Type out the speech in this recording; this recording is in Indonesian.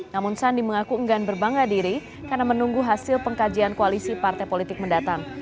namun sandi mengaku enggan berbangga diri karena menunggu hasil pengkajian koalisi partai politik mendatang